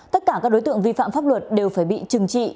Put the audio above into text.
tất cả các đối tượng vi phạm pháp luật đều phải bị trừng trị